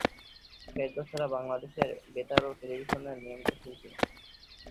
ফেরদৌস আরা বাংলাদেশ বেতার ও বাংলাদেশ টেলিভিশনের নিয়মিত শিল্পী।